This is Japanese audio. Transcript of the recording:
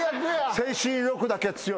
精神力だけは強い。